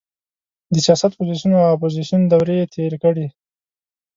د سیاست پوزیسیون او اپوزیسیون دورې یې تېرې کړې.